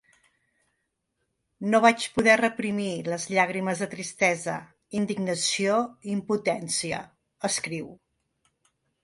No vaig poder reprimir les llàgrimes de tristesa, indignació i impotència, escriu.